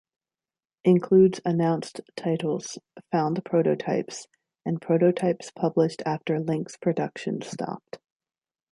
Includes announced titles, found prototypes, and prototypes published after Lynx production stopped.